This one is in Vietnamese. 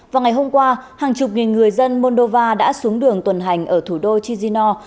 vào ngày hôm qua hàng chục nghìn người dân moldova đã xuống đường tuần hành ở thủ đô chino